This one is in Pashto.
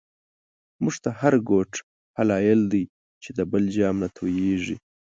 مونږ ته هر گوت هلایل دی، چی د بل جام نه توییږی